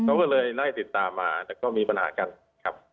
เขาก็เลยไล่ติดตามมาแต่ก็มีปัญหากันครับ